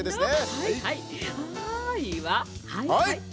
はいはい。